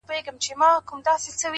خوږ دی مرگی چا ويل د ژوند ورور نه دی _